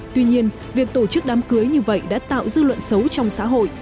tuy nhiên việc tổ chức đám cưới như vậy đã tạo dư luận xấu trong xã hội